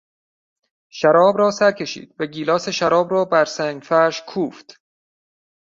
شراب را سر کشید و گیلاس شراب را بر سنگفرش کوفت.